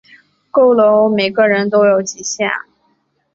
够了喔，每个人都有极限